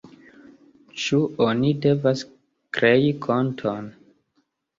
Ĉu oni devas krei konton?